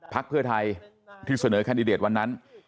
พักเพื่อไทยที่เสนอแคนดิเดตวันนั้น